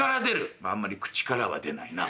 「まああんまり口からは出ないな」。